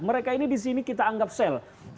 mereka ini di sini kita anggap sel